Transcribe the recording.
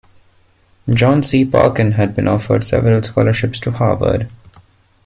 John C. Parkin had been offered several scholarships to Harvard.